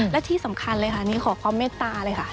และที่สำคัญเลยค่ะนี่ขอความเมตตาเลยค่ะ